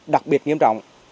đặc biệt nghiêm trọng